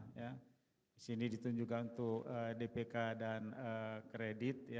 di sini ditunjukkan untuk dpk dan kredit